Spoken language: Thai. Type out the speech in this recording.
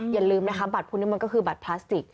อย่าลืมนะคะบัตรพวกนี้มันก็คือบัตรพลาสติก